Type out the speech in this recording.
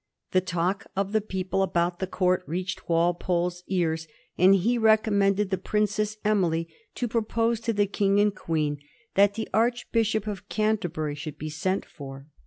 The talk of the people about the Court reached Walpole's ears, and he recommended the Princess Emily to propose to the King and Queen that the Arch bishop of Canterbury should be sent for.